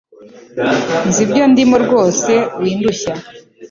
nzi ibyo ndimo rwose windushya